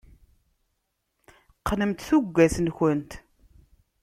Qqnemt tuggas-nkent.